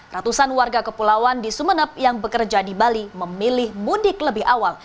ratusan warga kepulauan di sumeneb yang bekerja di bali memilih mudik lebih awal